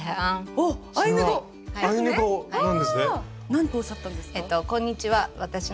なんとおっしゃったんですか？